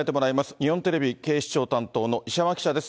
日本テレビ警視庁担当の石浜記者です。